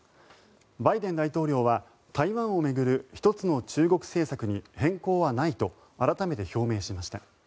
バイデン大統領は台湾を巡る一つの中国政策に変更はないと改めて表明しました。